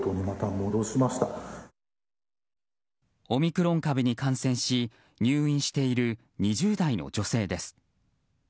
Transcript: オミクロン株に感染し入院している２０代の女性です。